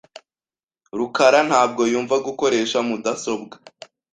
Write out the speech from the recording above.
rukara ntabwo yumva gukoresha mudasobwa.